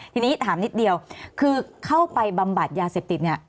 ทีนี้ถามนิดเดียวคือเข้าไปบำบัดยาเสพติดเนี่ย